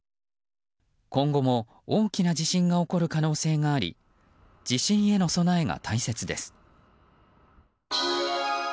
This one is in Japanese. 今後も、大きな地震が起こる可能性があり地震への備えが大切です。